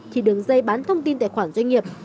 thì đường dây bán thông tin tài khoản doanh nghiệp